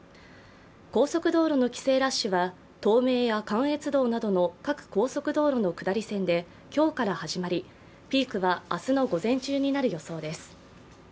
高速道路の帰省ラッシュは東名や関越道などの各高速道路の下り線で今日から始まり、ピークは明日の午前中になる予想です。